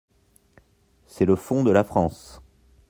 C'est le fonds de la France.